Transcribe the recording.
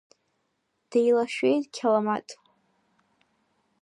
Деилашәеит Қьаламаҭ.